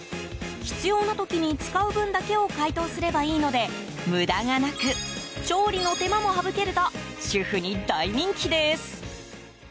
必要な時に使う分だけを解凍すればいいので無駄がなく調理の手間も省けると主婦に大人気です。